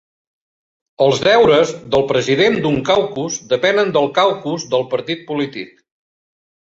Els deures del president d'un caucus depenen del caucus del partit polític.